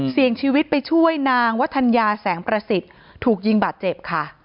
เสียชีวิตไปช่วยนางวัฒนยาแสงประสิทธิ์ถูกยิงบาดเจ็บค่ะ